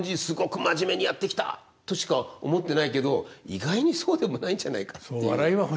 すごく真面目にやってきたとしか思ってないけど意外にそうでもないんじゃないかっていう。